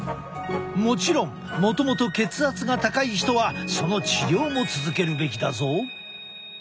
もちろんもともと血圧が高い人はその治療も続けるべきだぞ。